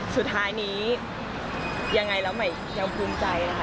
สุดท้ายนี้ยังไงแล้วใหม่ยังภูมิใจค่ะ